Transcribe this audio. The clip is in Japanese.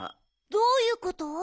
どういうこと？